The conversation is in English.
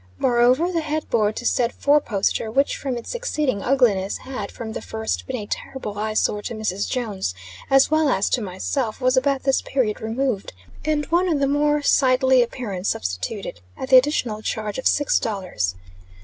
Moreover, the head board to said four poster, which, from its exceeding ugliness, had, from the first, been a terrible eye sore to Mrs. Jones, as well as to myself, was, about this period, removed, and one of more sightly appearance substituted, at the additional charge of six dollars.